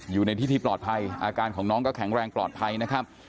อยู่ในที่ที่ปลอดภัยอาการของน้องก็แข็งแรงปลอดภัยนะครับ